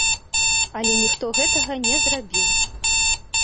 Але ніхто гэтага не зрабіў.